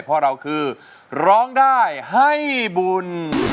เพราะเราคือร้องได้ให้บุญ